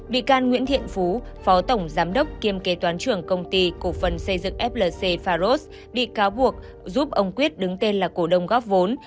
bị can nguyễn thiện phú phó tổng giám đốc kiêm kế toán trưởng công ty cổ phần xây dựng flc pharos bị cáo buộc giúp ông quyết đứng tên là cổ đông góp vốn